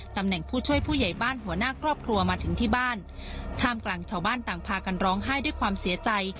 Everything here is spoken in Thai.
ตำแหน่งผู้ช่วยผู้ใหญ่บ้านหัวหน้าครอบครัวมาถึงที่บ้านท่ามกลางชาวบ้านต่างพากันร้องไห้ด้วยความเสียใจ